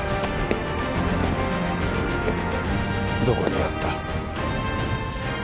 どこにあった？